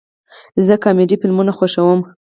زه کامیډي فلمونه خوښوم